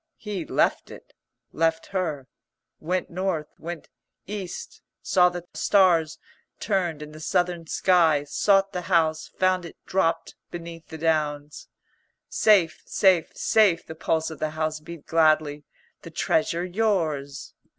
He left it, left her, went North, went East, saw the stars turned in the Southern sky; sought the house, found it dropped beneath the Downs. "Safe, safe, safe," the pulse of the house beat gladly. "The Treasure yours."